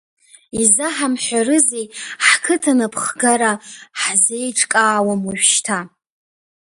Изаҳамҳәарызеи, ҳқыҭа анапхгара ҳазеиҿкаауам уажәшьҭа…